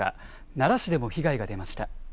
奈良市でも被害が出ました。